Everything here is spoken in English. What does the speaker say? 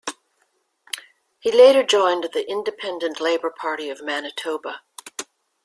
He later joined the Independent Labour Party of Manitoba.